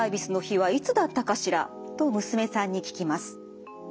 と娘さんに聞きます。